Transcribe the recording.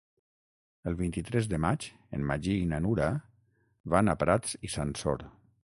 El vint-i-tres de maig en Magí i na Nura van a Prats i Sansor.